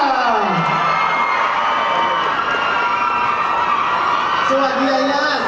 รวมอีกแล้วยัทธิ์